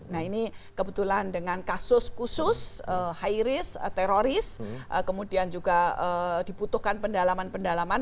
nah ini kebetulan dengan kasus khusus high risk teroris kemudian juga dibutuhkan pendalaman pendalaman